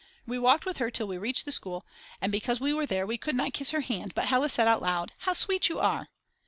We walked with her till we reached the school, and because we were there we could not kiss her hand but Hella said out loud: How sweet you are!